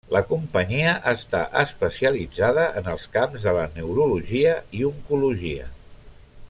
La companyia està especialitzada en els camps de la neurologia i oncologia.